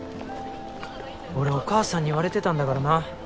俺お母さんに言われてたんだからな。